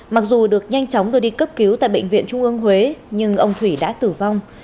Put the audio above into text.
mặc dù được nhanh chóng đưa đi cấp cứu tại bệnh viện trung ương huế nhưng ông thủy đã tử vong